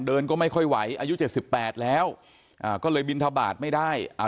ก็ไม่ค่อยไหวอายุเจ็ดสิบแปดแล้วอ่าก็เลยบินทบาทไม่ได้อ่า